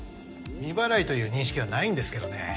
未払いという認識はないんですけどね。